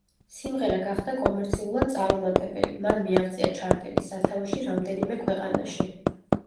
სიმღერა გახდა კომერციულად წარუმატებელი, მან მიაღწია ჩარტების სათავეში რამდენიმე ქვეყანაში.